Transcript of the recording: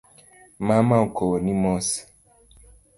Mama okowoni mos.